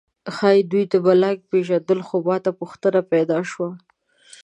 ښایي دوی ملنګ پېژندلو خو ماته پوښتنه پیدا شوه.